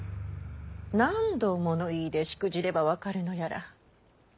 何度物言いでしくじれば分かるのやら。